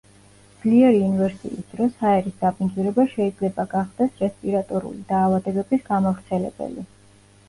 ძლიერი ინვერსიის დროს ჰაერის დაბინძურება შეიძლება გახდეს რესპირატორული დაავადებების გამავრცელებელი.